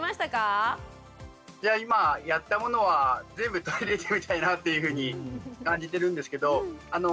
いや今やったものは全部取り入れてみたいなっていうふうに感じてるんですけど。